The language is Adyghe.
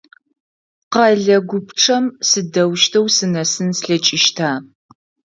Къэлэ гупчэм сыдэущтэу сынэсын слъэкӏыщта?